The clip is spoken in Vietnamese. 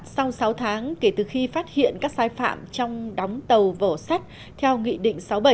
sau sáu tháng kể từ khi phát hiện các sai phạm trong đóng tàu vỏ sắt theo nghị định sáu bảy